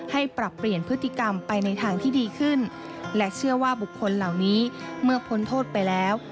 ปรับเปลี่ยนพฤติกรรมไปในทางที่ดีขึ้นและเชื่อว่าบุคคลเหล่านี้เมื่อพ้นโทษไปแล้ว